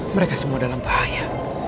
mereka semua dalam bahaya